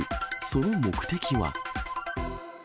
その目的は？